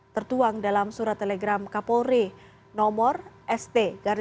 tertuang dalam surat telegram kapolri nomor st dua ribu dua ratus tujuh puluh delapan sepuluh dua ribu dua puluh satu